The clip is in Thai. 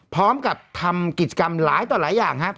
พร้อมกับทำกิจกรรมหลายต่อหลายอย่างครับ